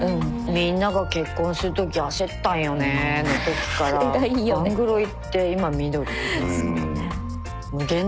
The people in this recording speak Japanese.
みんなが結婚するとき焦ったんよねのときからガングロ行って今緑みたいな。